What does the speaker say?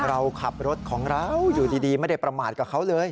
เราขับรถของเราอยู่ดีไม่ได้ประมาทกับเขาเลย